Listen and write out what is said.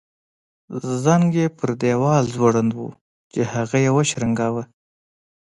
زنګ یې پر دیوال ځوړند وو چې هغه یې وشرنګاوه.